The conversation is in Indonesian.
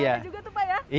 udah ada juga tuh pak ya